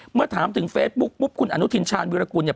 เมื่อถามถึงเฟซบุ๊กปุ๊บคุณอนุทินชาญวิรากุลเนี่ย